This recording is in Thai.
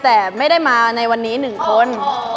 แต่ไม่ได้มาในวันนี้๑คน